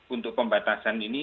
untuk pembatasan ini